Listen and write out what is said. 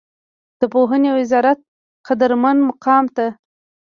د پوهنې وزارت قدرمن مقام ته